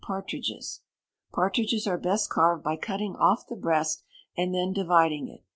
Partridges. Partridges are best carved by cutting off the breast, and then dividing it.